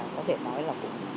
có thể nói là cũng